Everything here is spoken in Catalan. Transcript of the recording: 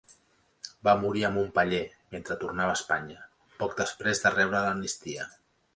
Va morir a Montpeller, mentre tornava a Espanya, poc després de rebre l'amnistia.